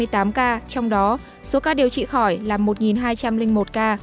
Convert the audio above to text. trong đó số ca điều trị khỏi là một hai trăm linh một ca